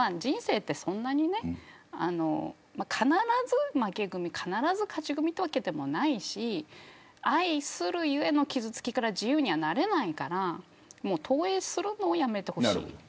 人生は必ず負け組必ず勝ち組というわけでもないし愛するゆえの傷つきから自由にはなれないからもう投影するのをやめてほしい。